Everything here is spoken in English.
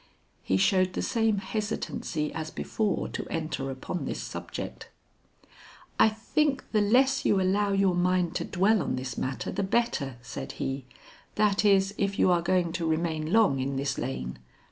He showed the same hesitancy as before to enter upon this subject. "I think the less you allow your mind to dwell on this matter the better," said he "that is, if you are going to remain long in this lane.